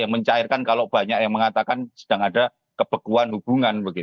mencairkan kalau banyak yang mengatakan sedang ada kebekuan hubungan